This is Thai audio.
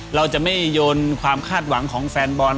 เราจะไม่โยนความคาดหวังของแฟนบอล